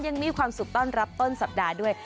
ยังมีความสุขต้อนรับต้นสัปดาห์ด้วย